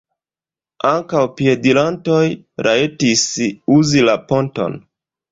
Ankaŭ piedirantoj rajtis uzi la ponton.